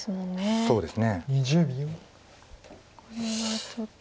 そうですね。